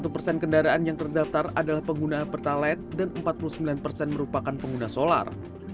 satu persen kendaraan yang terdaftar adalah pengguna pertalat dan empat puluh sembilan persen merupakan pengguna solar